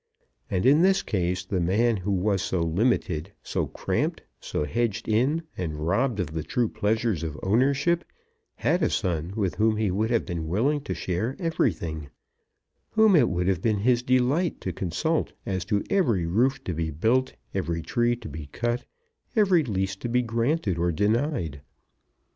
And in this case the man who was so limited, so cramped, so hedged in, and robbed of the true pleasures of ownership, had a son with whom he would have been willing to share everything, whom it would have been his delight to consult as to every roof to be built, every tree to be cut, every lease to be granted or denied.